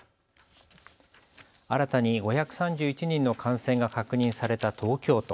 新たに５３１人の感染が確認された東京都。